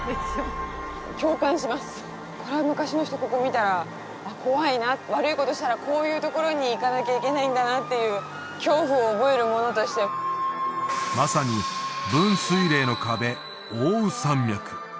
これは昔の人ここ見たら怖いな悪いことしたらこういうところに行かなきゃいけないんだなっていう恐怖を覚えるものとしてまさに分水嶺の壁奥羽山脈